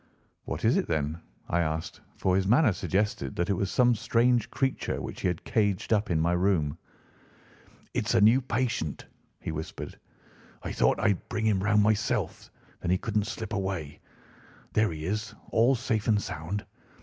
"What is it, then?" I asked, for his manner suggested that it was some strange creature which he had caged up in my room. "It's a new patient," he whispered. "I thought I'd bring him round myself; then he couldn't slip away. There he is, all safe and sound.